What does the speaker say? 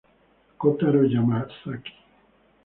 Kotaro Yamazaki